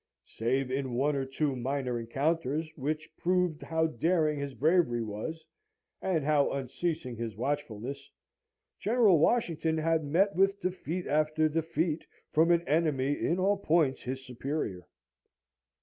Save in one or two minor encounters, which proved how daring his bravery was, and how unceasing his watchfulness, General Washington had met with defeat after defeat from an enemy in all points his superior.